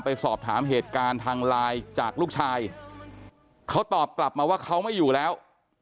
ไปสอบถามเหตุการณ์ทางไลน์จากลูกชายเขาตอบกลับมาว่าเขาไม่อยู่แล้ว